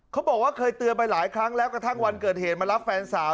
เขาบอกว่าเคยเตือนไปหลายครั้งแล้วกระทั่งวันเกิดเหตุมารับแฟนสาว